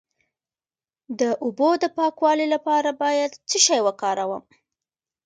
د اوبو د پاکوالي لپاره باید څه شی وکاروم؟